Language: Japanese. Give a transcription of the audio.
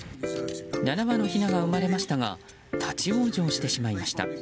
７羽のひなが生まれましたが立ち往生してしまいました。